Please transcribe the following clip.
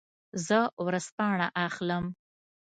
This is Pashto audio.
زه ورځپاڼه اخلم.